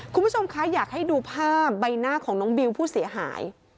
คุณผู้ชมคะอยากให้ดูภาพใบหน้าของน้องบิวผู้เสียหาย